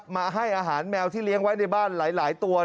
มาให้อาหารแมวที่เลี้ยงไว้ในบ้านหลายตัว